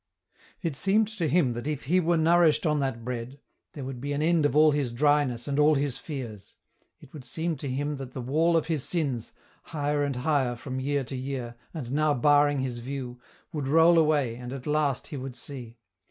It seemed to him that if he were nourished on that Bread, there would be an end of all his dryness and all his fears ; it would seem to him that the wall of his sins, higher and higher from year to year, and now barring his view, would roll away, and at last he would see.